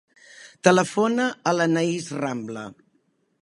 Telefona a l'Anaïs Rambla.